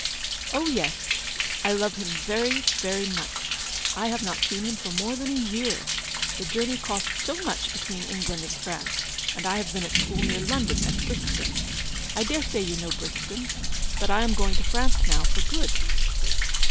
" Oh, yes, I love him very, very much. 1 have not seen him for more than a year. The journey costs so much between England and France, and I have been at school near London, at Brixton ; I dare say you know Brixton ; but I am going to France now, for good."